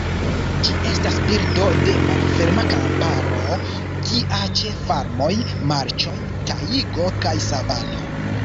Ĝi estas birdo de malferma kamparo kia ĉe farmoj, marĉoj, tajgo kaj savano.